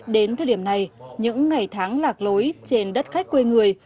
đến thời điểm này những ngày tháng lạc lối trên đất khách quê người